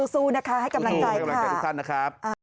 สู้นะคะให้กำลังใจค่ะ